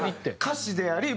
歌詞であり。